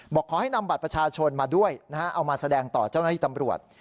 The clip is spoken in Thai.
บอกขอให้นำบัตรประชาชนมาด้วยนะฮะเอามาแสดงต่อเจ้าหน้าที่ตำรวจ